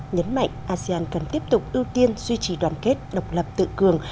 nhấn mạnh asean cần tiếp tục ưu tiên duy trì đoàn kết độc lập tự cường